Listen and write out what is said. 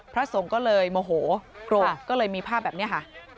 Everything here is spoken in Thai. พระสงฆ์ก็เลยโมโหโกรธก็เลยมีภาพแบบนี้ค่ะ